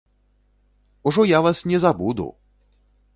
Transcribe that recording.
Ужо я вас не забуду!